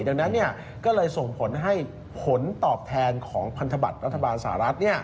ดังนั้นก็เลยส่งผลให้ผลตอบแทนของพันธบัตรรัฐบาลสหรัฐ